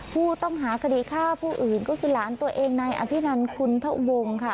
ผู้ต้องหาคดีฆ่าผู้อื่นก็คือหลานตัวเองนายอภินันคุณทะวงค่ะ